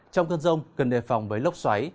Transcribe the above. trong cơn rông cần đề phòng với lốc xoáy